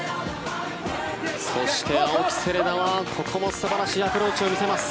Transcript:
そして、青木瀬令奈はここも素晴らしいアプローチを見せます。